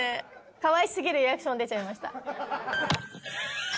かわいすぎるリアクション出ちゃいました。